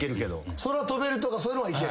空飛べるとかそういうのはいける？